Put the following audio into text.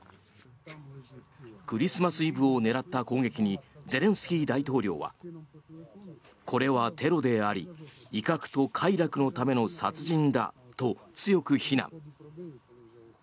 クリスマスイブを狙った攻撃にゼレンスキー大統領はこれはテロであり威嚇と快楽のための殺人だと強く非難。